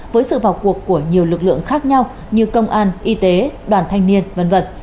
với sự vào cuộc của nhiều lực lượng khác nhau như công an y tế đoàn thanh niên v v